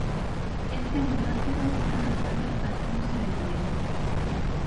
Este aminoácido úsano as plantas para a síntese de etileno.